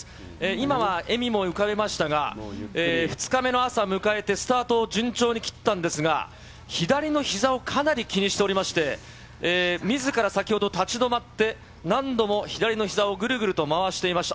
今は笑みも浮かべましたが、２日目の朝を迎えて、スタートを順調に切ったんですが、左のひざをかなり気にしておりまして、みずから先ほど立ち止まって、何度も左のひざをぐるぐると回していました。